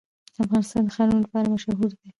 افغانستان د ښارونه لپاره مشهور دی.